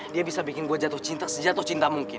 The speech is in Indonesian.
dia bisa bikin gue jatuh cinta sejatuh cinta mungkin